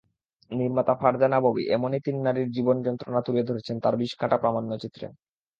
নির্মাতা ফারজানা ববি এমনই তিন নারীর জীবনযন্ত্রণা তুলে ধরেছেন তাঁর বিষকাঁটা প্রামাণ্যচিত্রে।